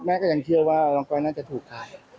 ก็ยังเชื่อว่าน้องก้อยน่าจะถูกถ่าย